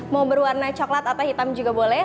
mau berwarna coklat atau hitam juga boleh